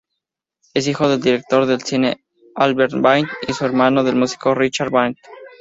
Es hijo del director de cine Albert Band y hermano del músico Richard Band.